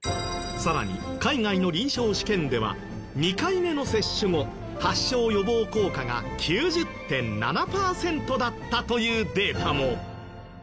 さらに海外の臨床試験では２回目の接種後発症予防効果が９０．７パーセントだったというデータも。